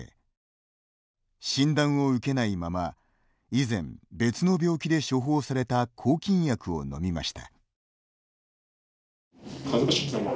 診断を受けないまま以前、別の病気で処方された抗菌薬を飲みました。